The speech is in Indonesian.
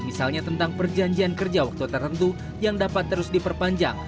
misalnya tentang perjanjian kerja waktu tertentu yang dapat terus diperpanjang